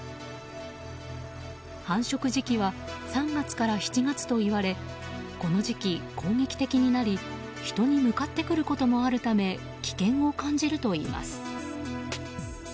繁殖時期は３月から７月といわれこの時期、攻撃的になり人に向かってくることもあるため危険を感じるといいます。